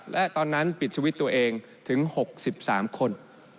และตอนนั้นปิดสวิตช์ตัวเองถึง๖๓คน